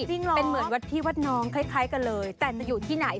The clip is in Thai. เป็นเหมือนวัดที่วัดน้องคล้ายกันเลยแต่จะอยู่ที่ไหน